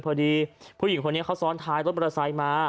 พอดีผู้หญิงคนนี้เขาซ้อนท้ายรถมอเตอร์ไซค์มา